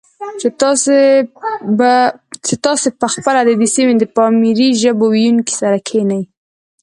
چې تاسې په خپله د دې سیمې د پامیري ژبو ویونکو سره کښېنئ،